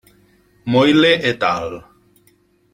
Moyle et al.